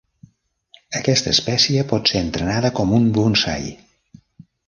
Aquesta espècie pot ser entrenada com un bonsai.